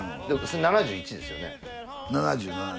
でも７１ですよね？